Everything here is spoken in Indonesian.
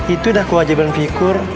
itu udah kewajiban fikur